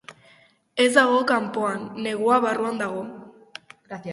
Ez dago kanpoan, negua barruan dago.